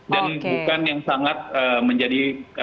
dan bukan yang sangat menjadi